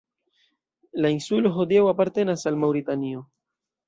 La insulo hodiaŭ apartenas al Maŭritanio.